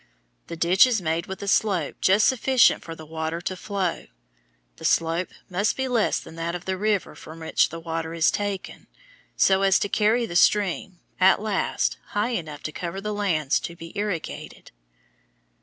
The ditch is made with a slope just sufficient for the water to flow. The slope must be less than that of the river from which the water is taken, so as to carry the stream, at last, high enough to cover the lands to be irrigated.